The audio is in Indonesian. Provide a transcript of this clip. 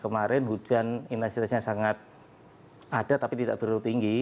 kemarin hujan intensitasnya sangat ada tapi tidak terlalu tinggi